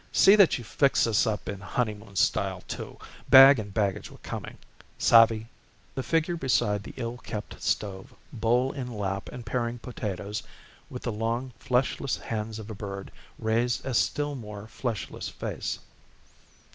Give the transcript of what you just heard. See that you fix us up in honeymoon style, too. Bag and baggage we're coming. Savvy?" The figure beside the ill kept stove, bowl in lap and paring potatoes with the long fleshless hands of a bird, raised a still more fleshless face.